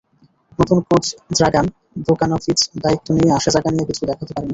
নতুন coach Dragan Dukanovic দায়িত্ব নিয়ে আশা জাগানিয়া কিছু দেখাতে পারেননি।